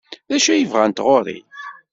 D acu ay bɣant ɣer-i?